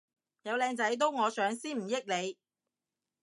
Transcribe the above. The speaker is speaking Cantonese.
有靚仔都我上先唔益你